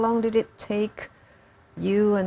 bagaimana lama itu anda dan tim anda